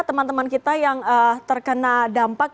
teman teman kita yang terkena dampak